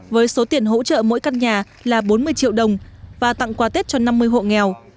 với số tiền hỗ trợ mỗi căn nhà là bốn mươi triệu đồng và tặng quà tết cho năm mươi hộ nghèo